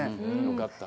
良かった。